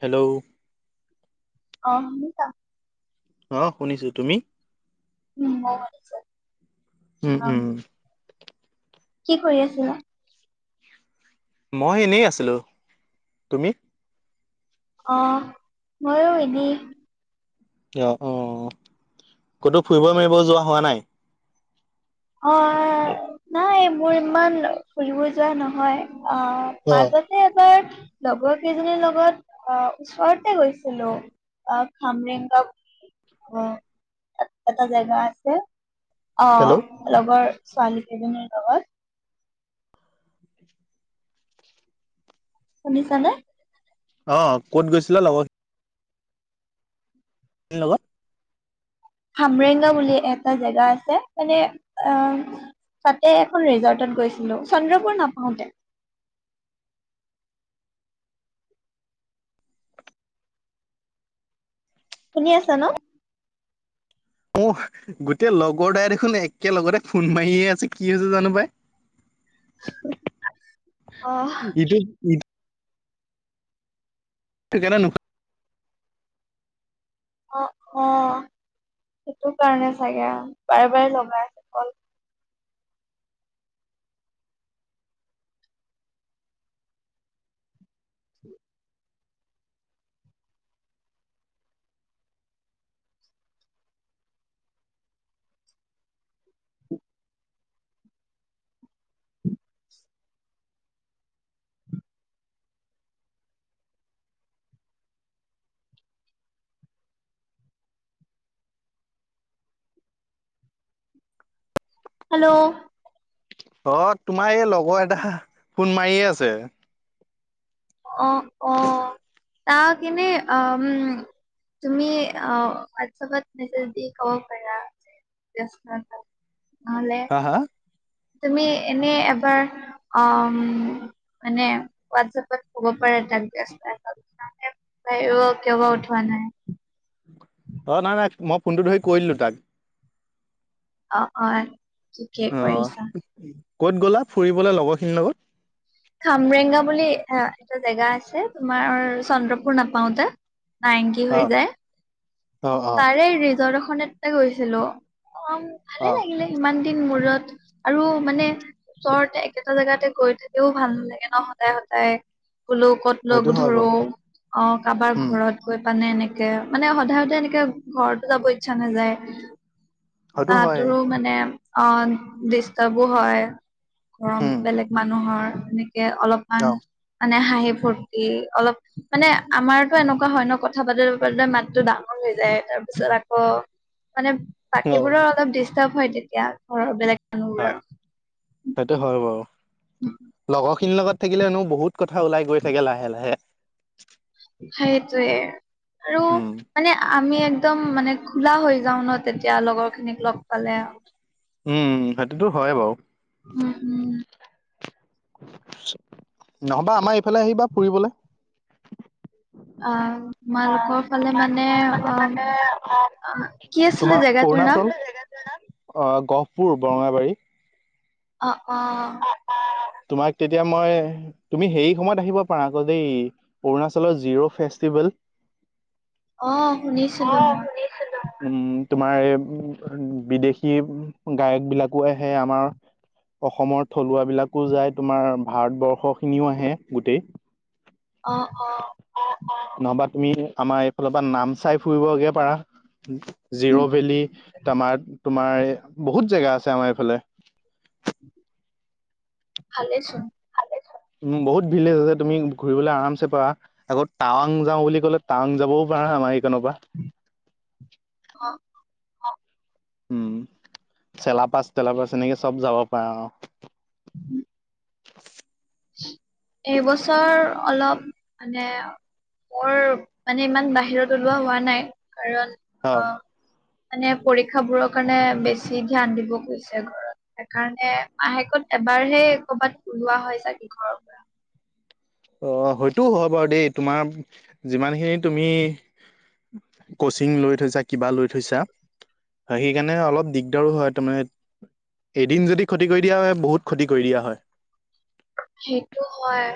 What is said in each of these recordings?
Hello? অ শুনিছা? অ শুনিছো তুমি? উম অ শুনিছা। উম উম। কি কৰি আছিলা? মই এনেই আছিলোঁ, তুমি? অহ ময়ো এনে কিয় অ, ক'তো ফুৰিব মাৰিব যোৱা হোৱা নাই? অ অ নাই মোৰ ইমান ফুৰিব যোৱা নহয়, অ অ মাজত তে এবাৰ লগৰ কেইজনীৰ লগত অহ ওচৰতে গৈছিলোঁ। আহ খামৰেংগা আহ এত এটা জেগা আছে। অ হেল্ল' লগৰ ছোৱালীকেইজনীৰ লগত। শুনিছানে? অ ক'ত গৈছিলা লগত লগত হামৰেংগা বুলি এটা জেগা আছে, মানে আহ তাতে এখন ৰিজৰ্টত গৈছিলো চন্দ্ৰপুৰ নাপাওঁতে। শুনি আছা ন? উহ, গোটেই লগৰ দাই দেখোন একে লগতে ফোন মাৰিয়ে আছে কি হৈছে জানো পাই? অ ইটো ই তে কেনে নো অ অ সেইটো কাৰণে চাগে আৰু বাৰে - বাৰে লগাই আছে কল হয় [inaudible] [inaudible] হেল্ল'! অ তোমাৰ এই লগৰ এটা ফোন মাৰিয়ে আছে। অ অ তাক এনে আম তুমি আ হোৱাটছএপত মেছেজ দি ক'ব পাৰা, ব্যস্ত আছো। নহলে হা হা তুমি এনে এবাৰ আম মানে হোৱাটছএপত ক'ব পাৰা তাক ব্যস্ত আছো নহ'লে ভাবিব কিয় বা উঠোৱা নাই? অঁ নাই নাই মই ফোনটো ধৰি কৈ দিলোঁ তাক। অ অ ঠিকে অ কৰিছা। ক'ত গ'লা ফুৰিবলে লগৰ খিনিৰ লগত? খামৰেংগা বুলি এ এটা জেগা আছে তোমাৰ চন্দ্ৰপুৰ নাপাওতে। নাইংকি অ হৈ যায়। অ অ তাৰে ৰিজৰ্ট এখনতে গৈছিলো, অ ভালে অ লাগিলে। ইমান দিন মূৰত আৰু মানে ওচৰতে একেটা জেগাতে গৈ থাকেও ভাল নালাগে ন সদায় - সদায় বোলো ক'ত সেইটো লগ হয় ধৰো বাৰু অ কাৰোবাৰ উম ঘৰত গৈ পানে এনেকে মানে সদায় সদা এনেকে ঘৰতো যাব ইচ্ছা নাযায় সেইটো হয় তাহাতৰো মানে অ ডিষ্টাৰ্বো হয় ঘৰৰ উম বেলেগ মানুহৰ এনেকে অলপ, অ মানে হাঁহি ফূৰ্তি অলপ মানে আমাৰতো এনেকুৱা হয় ন কথা পাতোতে পাতোতে মাতটো ডা ডাঙৰ হৈ যায় তাৰপিছত আকৌ মানে অ বাকীবোৰৰ চব ডিষ্টাৰ্ব হয় তেতিয়া ঘৰৰ বেলেগ হা মানুহবোৰৰ। সেইটো হয় বাৰু লগৰখিনিৰ লগত থাকিলেনো বহুত কথা ওলাই গৈ থাকে লাহে লাহে সেইটোৱে আৰু উম মানে আমি একদম মানে খোলা হৈ যাও ন তেতিয়া লগৰখিনিক লগ পালে উম সেইটোতো হয় বাও উম উম নহবা আমাৰ ইফালে আহিবা ফুৰিবলে অ তোমালোকৰ ফালে মানে অ অ কি আছিলে তোমাৰ জেগাটোৰ অৰুণাচল নাম? অ গহপুৰ বৰঙাবাৰী। অ, অ। তোমাক তেতিয়া মই। তুমি সেই সময়ত আহিব পাৰা আকৌ দেই অৰুণাচলৰ জিৰ' ফেষ্টিভেল। অ শুনিছিলো মই। উম তোমাৰ এই বিদেশী গায়ক বিলাকো আহে আমাৰ অসমৰ থলুৱা বিলাকো যায় তোমাৰ ভাৰতবৰ্ষ খিনিও আহে গোটেই অ অ নহবা তুমি আমাৰ এইফালৰ পৰা নামচাই ফুৰিবগে পাৰা উম জিৰ' ভেলী তামাৰ তোমাৰ বহুত জেগা আছে আমাৰ এইফালে ভালে চোন উ বহুত ভিলেজ আছে তুমি ঘুৰিবলে আৰামছে পাৰা। আকৌ টাৱাং যাওঁ বুলি ক'লে টাৱাং যাবও পাৰা আমাৰ এইকনৰ পৰা। অ উম চেলা পাছ তেল পাছ এনেকে চব যাব পাৰা অ। [unintelligible] এইবছৰ অলপ মানে। মোৰ মানে ইমান বাহিৰত ওলোৱা হোৱা নাই কাৰণ অ আহ। মানে পৰীক্ষা বোৰৰ কাৰণে বেছি ধ্যান দিব কৈছে ঘৰত। সেইকাৰণে মাহেকত এবাৰহে কৰ'বাত ওলোৱা হয় চাগে ঘৰৰ পৰা। অ হয়টোও হয় বাৰু দেই তোমাৰ যিমানখিনি তুমি। কচিং লৈ থৈছা কিবা লৈ থৈছা। সেইকাৰণে অলপ দিগদাৰো হয় তোৰমানে। এদিন যদি খতি কৰি দিয়া হয় বহুত খতি কৰি দিয়া হয়। সেইটো হয়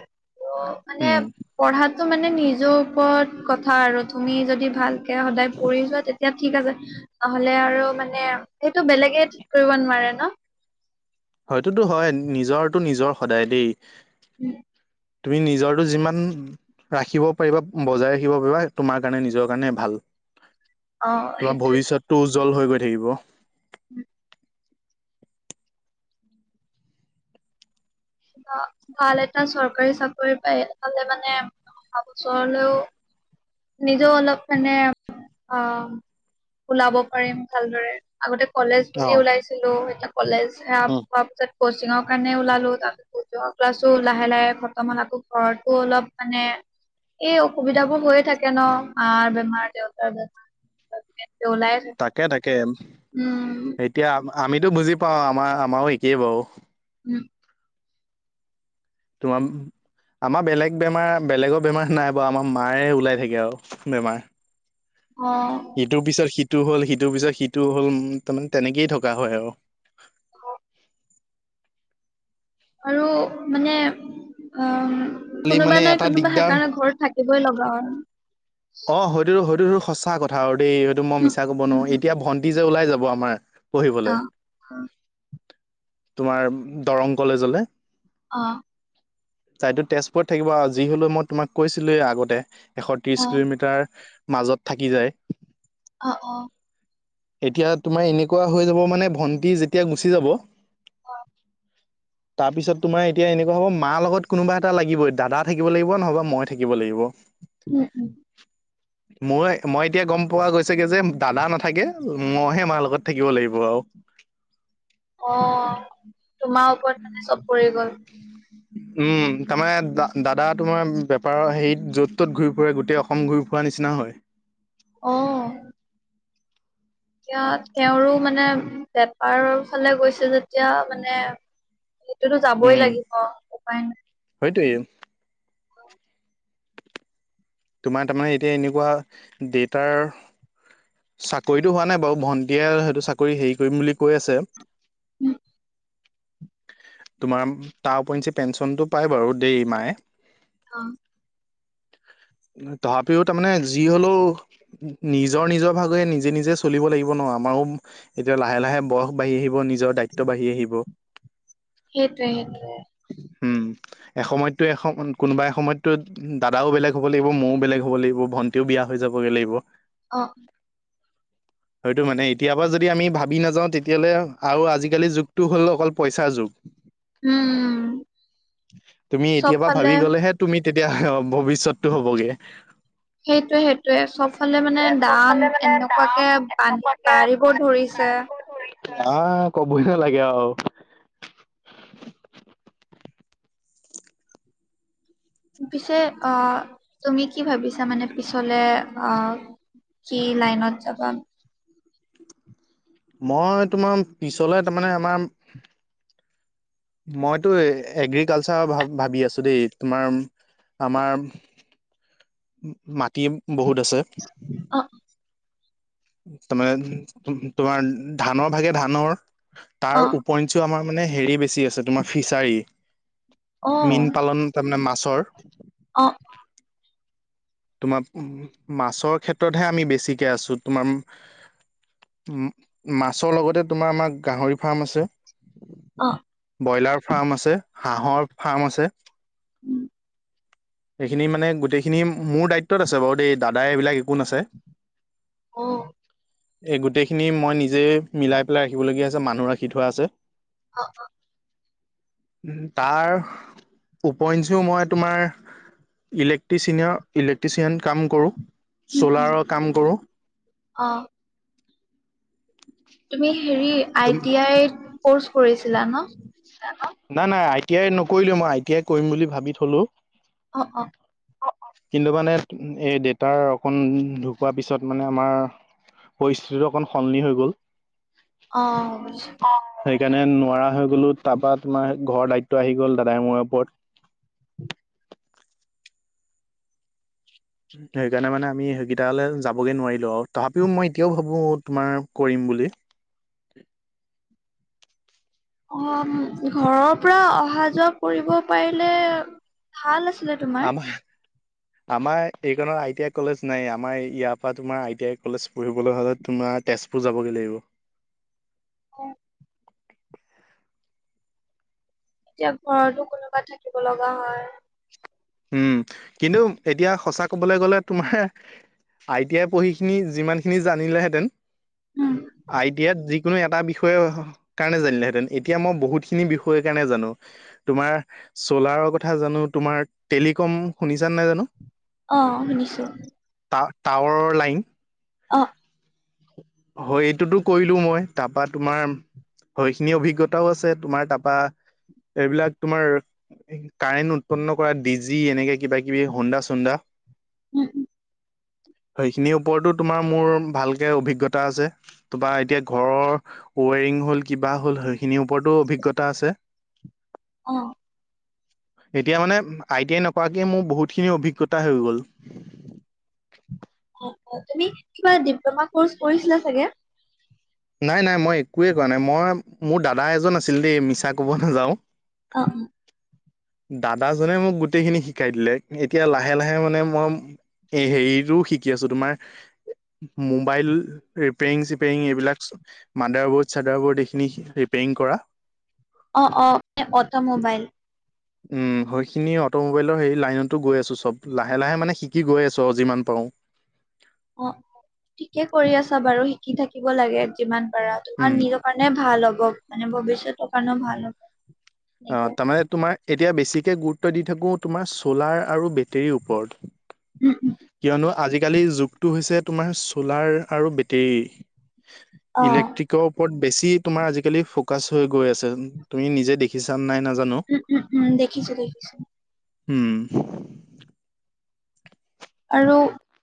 মানে উম পঢ়াত। মানে নিজৰ ওপৰত কথা আৰু তুমি যদি ভালকে সদায় পঢ়ি যোৱা তেতিয়া। ঠিক আছে, নহলে আৰু মানে সেইটো বেলেগে কৰিব নোৱাৰে ন। হয়টোতো হয় নিজৰটো নিজৰ সদায় দেই। উম। তুমি নিজৰটো যিমান। ৰাখিব পাৰিবা বজাই ৰাখিব পাৰিবা তোমাৰ কাৰণে নিজৰ কাৰণে ভাল। অ' তোমাৰ ভৱিষ্যতটো উজ্জ্বল হৈ গৈ থাকিব। উম। অ' ভাল এটা চৰকাৰী চাকৰি পায় পালে মানে [unintelligible] নিজেও অলপ মানে অ' ওলাব পাৰিম ভালদৰে। আগতে কলেজ অ বুলি ওলাইছিলোঁ, এতিয়া কলেজ শেষ উম। হোৱা পিছত কচিঙৰ কাৰণে ওলালোঁ তাৰ পিছত যোৱা ক্লাছো লাহে-লাহে খতম হ'ল, আকৌ ঘৰতো অলপ মানে এই অসুবিধাবোৰ হৈ থাকে ন' মাৰ বেমাৰ, দেউতাৰ বেমাৰ। কিবা ওলাই থাকে তাকে-তাকে। উম। এতিয়া আমিতো বুজি পাওঁ আমাৰ আমাৰো একেই বাৰু। উম। তোমাৰ আমাৰ বেলেগ বেমাৰ বেলেগৰ বেমাৰ নাই বাৰু আমাৰ মাৰে ওলাই থাকে আৰু বেমাৰ। অ'। ইটোৰ পিছত সিটো হ'ল, সিটোৰ পিছত সিটো হ'ল, তাৰমানে তেনেকেই থকা হয় আৰু। অ'। আৰু মানে অ' খালি মানে কোনোবা নাই এটা কোনোবা দিগদাৰ সেইকাৰণে ঘৰত থাকে এইবাৰ লগাম। অ' হ'য়তোটো হ'য়তোটো সঁচা কথা আৰু দেই সেইটো মই উম মিছা ক'ব নোৱাৰোঁ। উম এতিয়া ভণ্টি যে ওলাই যাব আমাৰ অ পঢ়িবলৈ তোমাৰ দৰং কলেজলৈ। অ' তাইটো তেজপুৰত থাকিব আৰু। যি হ'লেও মই তোমাক কৈছিলোৱেই আগতে। শেষত অ কিলোমিটাৰ মাজত থাকি যায়। অ'-অ'। এতিয়া তোমাৰ এনেকুৱা হৈ যাব মানে ভন্টি যেতিয়া গুচি যাব অ'। তাৰপিছত তোমাৰ এতিয়া এনেকুৱা হ'ব, মাৰ লগত কোনোবা এটা লাগিব দাদা থাকিব লাগিব নহ'বা মই থাকিব লাগিব। উম-উম। মই-মই এতিয়া গম পোৱা গৈছেগে যে দাদা নাথাকে মই হে মাৰ লগত থাকিব লাগিব আৰু। অ' তোমাৰ ওপৰত মানে চব পৰি গ'ল। উম তাৰমানে দা দাদা তোমাৰ বেপাৰৰ হেৰিত য'ত-ত'ত ঘূৰি ফুৰে গোটেই অসম অসম ঘূৰি ফুৰা নিচিনা হ'য়। অ' এতিয়া তেওঁৰো মানে বেপাৰৰ ফালে গৈছে যেতিয়া মানে সেইতোটো যাবই লাগিব‌ উপায় নাই। সেইটোৱে। তোমাৰ তাৰমানে এতিয়া এনেকুৱা দেতাৰ চাকৰিটো হোৱা নাই বাৰু ভণ্টীয়ে সেইটো চাকৰি হেৰি কৰিম বুলি কৈ আছে। উম, তোমাৰ তাৰ উপৰঞ্চি পেঞ্চনটো পায় বাৰু দেই মায়ে। অ' তথাপিও তাৰমানে যি হ'লেও, উম। নিজৰ-নিজৰ ভাগে নিজে-নিজে চলিব লাগিব ন', আমাৰো এতিয়া লাহে-লাহে বয়স বাঢ়ি আহিব নিজ নিজৰ দায়িত্ব বাঢ়ি আহিব। সেইটোৱে-সেইটোৱে। উম, এসময়তটো এসম‌ কোনোবা এসময়তটো দাদাও বেলেগ হ'ব হ'ব লাগিব, ময়ো বেলেগ হ'ব লাগিব, ভন্টিও বিয়া হৈ যাবগে লাগিব। অ'। হ'য়টো মানে এতিয়াৰপা যদি আমি ভাবি নাযাওঁ তেতিয়াহ'লে আৰু আজি-কালিৰ যুগটো হ'ল অকল পইচাৰ যুগ। উম-উম-উম। তুমি এতিয়াপা ভাবি গ'লেহে তুমি তেতিয়া হাঁ ভৱিষ্যতটো হ'বগে। সেইটোৱে-সেইটোৱে চবফালে মানে দাম এনেকুৱাকে বাঢ়ি বাঢ়িব ধৰিছে। আ, ক'বই লাগে আও। পিছে অ, তুমি কি ভাৱিছা মানে পিছলে অ, কি লাইনত যাবা? মই তোমাৰ পিছলে তাৰমানে আমাৰ মইটো এ এগ্ৰিকালচাৰ ভাৱ ভাৱি আছো দেই। তোমাৰ আমাৰ [inaudible] ম-মাটি বহুত আছে। অ', তাৰ মানে তোমাৰ ধানৰ ভাগে ধানৰ তাৰ অ', উপ পইঞ্চও আমাৰ মানে হেৰি বেছি আছে তোমাৰ ফিচাৰী, অ', মীন পালন তাৰমানে মাছৰ। অ', তোমাৰ মাছৰ ক্ষেত্ৰহে আমি বেছিকে আছো। তোমাৰ ম-মাছৰ লগতে তোমাৰ আমাৰ গাহৰি ফাৰ্ম আছে, অ', ব্ৰইলাৰ ফাৰ্ম আছে, হাঁহৰ ফাৰ্ম আছে। উম, সেইখিনি মানে গোটেইখিনি মোৰ দায়িত্বত আছে বাৰু দেই। দাদাই এইবিলাক এক কোন আছে? অ'। এই গোটেইখিনি মই নিজেই মিলাই পেলাই ৰাখিবলগীয়া আছে, মানুহ ৰাখি থোৱা আছে। অ', অ', তাৰ উপইঞ্চে মই তোমাৰ ইলেক্ট্ৰিচিনিয়ৰ-ইলেক্ট্ৰিচিয়ান কাম কৰো, উম, উম, চলাৰৰ কাম কৰো। অ', তুমি হেৰি তুম আই টি আইত ক'ৰ্চ কৰিছিলা ন? নাই-নাই আই টি আই নকৰিলো। মই আই টি আই কৰিম বুলি ভাৱি থ'লো। অ', অ', অ', অ', কিন্তু মানে এই দেতাৰ অকণ ঢুকোৱা পিছত মানে আমাৰ পৰিস্থিতিটো অকণ সলনি হৈ গ'ল। অ', অ, সেইকাণে নোৱাৰা হৈ গ'লো তাপা তোমাৰ ঘৰৰ দায়িত্ব আহি গ'ল দাদাই মোৰে ওপত। সেইকাৰণে মানে আমি সেইগিটালে যাবগে নোৱাৰিলো আৰু তাপিও মই এতিয়াও ভাবো তোমাৰ কৰিম বুলি। অ, ঘৰৰ পৰা অহা যোৱা কৰিব পাৰিলে ভাল আছিলে তোমাৰ। আমাৰ আমাৰ এইকনৰ আই টি আই কলেজ নাইয়ে আমাৰ ইয়া পা তোমাৰ আই টি আই কলেজ পঢ়িবলৈ হ'লেত তোমাৰ তেজপুৰ যাবগে লাগিব। হয়। এতিয়া ঘৰতো কোনোবা থাকিব লগা হয়। উম, কিন্তু এতিয়া সঁচা ক'বলে গ'লে তোমাৰ আই টি আই পঢ়িখিনি যিমানখিনি জানিলেহেঁতেন উম, আই টি আইত যি কোনো এটা বিষয় হ কাৰণে জানিলেহেঁতেন, এতিয়া মই বহুতখিনি বিষয় কাৰণে জানো। তোমাৰ চলাৰৰ কথা জানো, তোমাৰ টেলিকম শুনিছানে নাই জানো? অ, শুনিছো। টা-টাৱাৰৰ লাইন। অ', হয় এইটোতো কৰিলো মই তাপা তোমাৰ হয়খিনি অভিজ্ঞতাও আছে তোমাৰ তাপা এইবিলাক তোমাৰ কাৰেণ্ট উৎপন্ন কৰা ডি জি, এনেকে কিবা কিবি হুন্দা চুন্দা। উম-উম সেইখিনিৰ ওপৰতো তোমা মোৰ ভালকে অভিজ্ঞতা আছে। ত বা এতিয়া ঘৰৰ ওৱেৰিং হ'ল কিবা হ'ল সেইখিনিৰ ওপৰতো অভিজ্ঞতা আছে। অঁ। এতিয়া মানে আই টি আই নকৰাকে মোৰ বহুতখিনি অভিজ্ঞতা হৈ গ'ল। অঁ অঁ তুমি কিবা ডিপ্লমা কৰ্চ কৰিছিলা চাগে? নাই নাই মই একোৱেই কৰা নাই মই মোৰ দাদা এজন আছিল দেই মিছা ক'ব নাযাওঁ। অঁ অ। দাদাজনে মোক গোটেইখিনি শিকাই দিলে। এতিয়া লাহে লাহে মানে মই এই হেৰিতোও শিকি আছো তোমাৰ মোবাইল ৰিপেয়েৰিং- চিপেয়েৰিং এইবিলাক। মাডাৰ বৰ্ড চাদাৰ বৰ্ড এইখিনি ৰিপেয়েৰিং কৰা। অঁ অঁ এ অট' মোবাইল। উম সইখিনি অট'মোবাইলৰ হেৰি লাইনতো গৈ আছো চব লাহে লাহে মানে শিক কি গৈ আছো আও যিমান পাঁও। অঁ ঠিকে কৰি আছা বাৰু শিকি থাকিব লাগে যিমান পাৰা তোমাৰ উম নিৰ মানে ভাল হ'ব মানে ভৱিষ্যতৰ কাৰণেও ভাল হ'ব। অঁ এনেকে তামানে তোমাৰ এতিয়া বেছিকে গুৰুত্ব দি থাকো তোমাৰ চলাৰ আৰু বেটেৰীৰ ওপৰত। উম, উম। কিয়নো আজিকালিৰ যুগটো হৈছে তোমাৰ চ'লাৰ আৰু বেটেৰীৰ। অ ইলেক্ট্ৰিকৰ ওপৰত বেছি তোমাৰ আজিকালি ফকাচ হৈ গৈ আছে তুমি নিজে দে খিছা নে নাই নাজানো উম উম উম দেখিছো দেখিছো। উম। আৰু